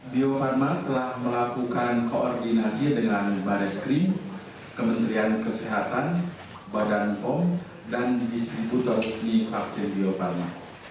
bio farma telah melakukan koordinasi dengan baris krim kementerian kesehatan badan pom dan distributor di vaksin bio farma